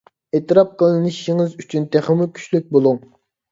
ئېتىراپ قىلىنىشىڭىز ئۈچۈن تېخىمۇ كۈچلۈك بولۇڭ!